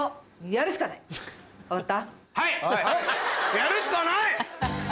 やるしかない！